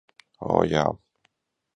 O, jā!